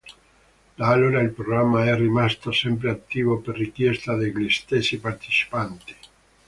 Da allora il programma è rimasto sempre attivo per richiesta degli stessi partecipanti.